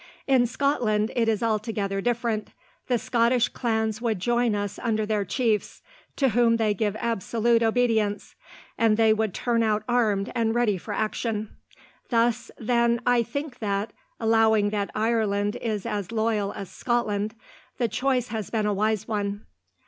"In Scotland it is altogether different. The Scottish clans would join us under their chiefs, to whom they give absolute obedience, and they would turn out armed and ready for action. Thus, then, I think that, allowing that Ireland is as loyal as Scotland, the choice has been a wise one."